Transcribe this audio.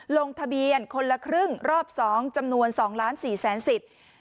ลงทะเบียนคนละครึ่งรอบ๒จำนวน๒ล้าน๔แสนสิทธิ์